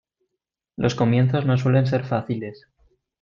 Los comienzos no suelen ser fáciles.